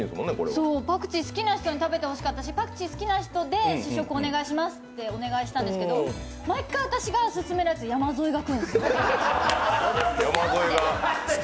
そう、パクチー好きな人に食べてほしかったし、パクチー好きな人で試食をお願いしますってお願いしたんですけど毎回私が勧めるやつ、山添が食うんです。